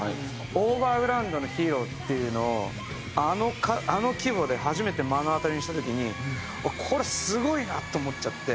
オーバーグラウンドのヒーローっていうのをあの規模で初めて目の当たりにした時にこれすごいな！と思っちゃって。